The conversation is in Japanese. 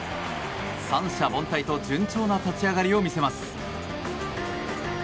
三者凡退と順調な立ち上がりを見せます。